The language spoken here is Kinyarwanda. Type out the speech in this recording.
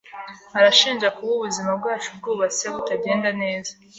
Aranshinja kuba ubuzima bwacu bwubatse butagenda neza.